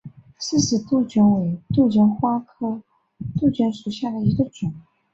饰石杜鹃为杜鹃花科杜鹃属下的一个种。